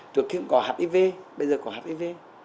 trước kia cũng có hạt iv bây giờ có hạt iv